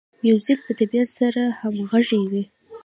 موزیک د طبیعت سره همغږی وي.